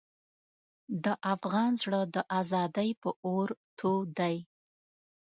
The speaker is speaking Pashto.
د افغان زړه د ازادۍ په اور تود دی.